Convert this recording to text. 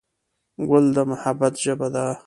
ګل د محبت ژبه ده.